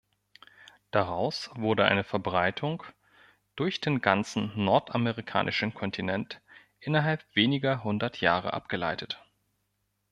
Daraus wurde eine Verbreitung durch den ganzen nordamerikanischen Kontinent innerhalb weniger hundert Jahre abgeleitet.